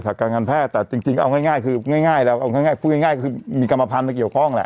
ศักดิ์การแพทย์แต่จริงเอาง่ายคือพูดง่ายมีกรรมพันธุ์มันเกี่ยวข้องแหละ